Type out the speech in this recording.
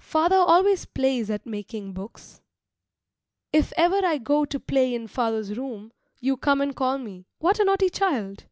Father always plays at making books. If ever I go to play in father's room, you come and call me, "what a naughty child!"